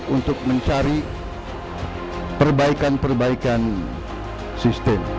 untuk mencari perbaikan perbaikan sistem